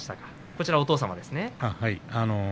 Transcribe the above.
こちら、お父さんですね。